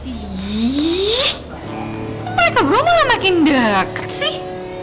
iyyyyy mereka berumur malah makin deket sih